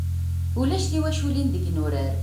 Ulac tiwaculin deg yinurar.